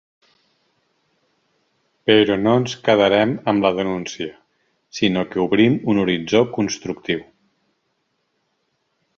Però no es quedarem amb la denúncia, sinó que obrim un horitzó constructiu.